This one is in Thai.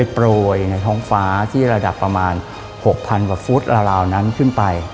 โปรยในท้องฟ้าที่ระดับประมาณ๖๐๐๐กว่าฟุตลาวนั้นขึ้นไป